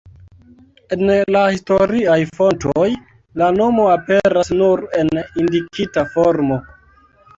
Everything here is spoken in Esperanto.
En la historiaj fontoj la nomo aperas nur en indikita formo.